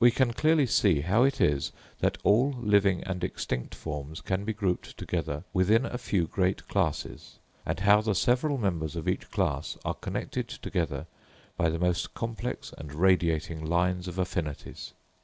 We can clearly see how it is that all living and extinct forms can be grouped together within a few great classes; and how the several members of each class are connected together by the most complex and radiating lines of affinities.